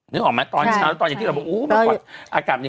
นึกออกไหมตอนเช้าตอนเย็นที่เราบอกอากาศเย็น